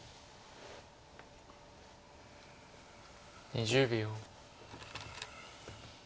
２０秒。